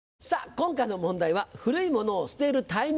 今回の問題は「古いものを捨てるタイミングとは？」。